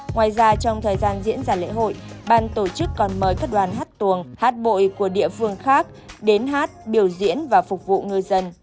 ngoài ra trong thời gian diễn ra lễ hội ban tổ chức còn mời các đoàn hát tuồng hát bội của địa phương khác đến hát biểu diễn và phục vụ ngư dân